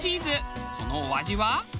そのお味は？